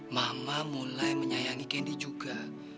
mama mulai menyayangi kendi juga